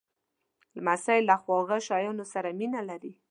لمسی له خواږه شیانو سره مینه لري.